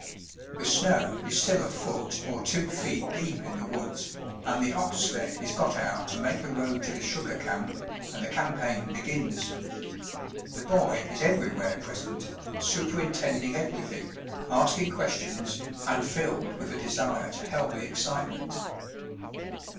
The snow is still a foot or two feet deep in the woods, and the ox sled is got out to make a road to the sugar camp, and the campaign begins. The boy is everywhere present, superintending everything, asking questions, and filled with a desire to help the excitement.